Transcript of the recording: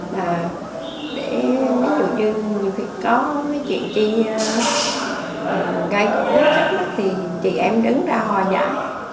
và để dù như có chuyện gì gây khó khăn thì chị em đứng ra hòa giải